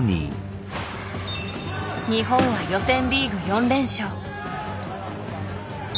日本は予選リーグ４連勝。